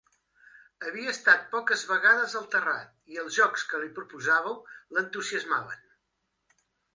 Havia estat poques vegades al terrat i els jocs que li proposàveu l'entusiasmaven.